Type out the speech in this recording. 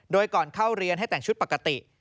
โดยก่อนเข้าเรียนให้แต่งชุดปกติ